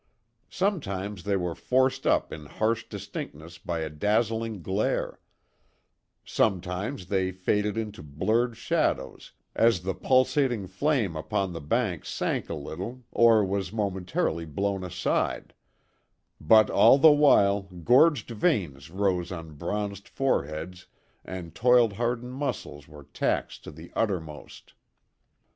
Sometimes they were forced up in harsh distinctness by a dazzling glare; sometimes they faded into blurred shadows as the pulsating flame upon the bank sank a little or was momentarily blown aside; but all the while gorged veins rose on bronzed foreheads and toil hardened muscles were taxed to the uttermost.